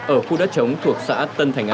ở khu đất chống thuộc xã tân thành a